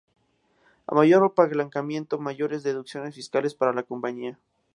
A mayor apalancamiento, mayores deducciones fiscales para la compañía.